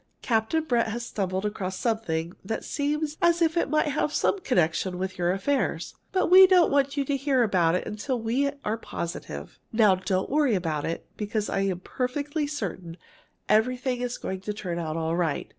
"Captain Brett has stumbled across something that seems as if it might have some connection with your affairs. But we don't want you to hear about it till we are positive. Now don't worry about it, because I'm perfectly certain everything is going to turn out all right.